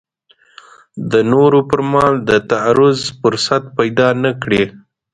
د نورو پر مال د تعرض فرصت پیدا نه کړي.